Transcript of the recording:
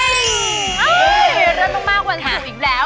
เฮ้ยเริ่มมากวันสู่อีกแล้ว